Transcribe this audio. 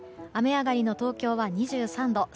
雨上がりの東京は２３度。